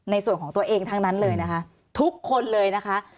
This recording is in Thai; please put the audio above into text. ในส่วนของตัวเองทั้งนั้นเลยนะคะทุกคนเลยนะคะ